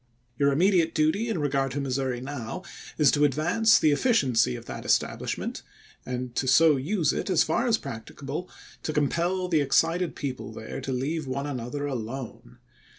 Your immediate duty in regard to Missouri now is to advance the efficiency of that estab lishment, and to so use it as far as practicable, to compel the excited people there to leave one another alone.